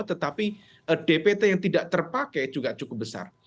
tetapi dpt yang tidak terpakai juga cukup besar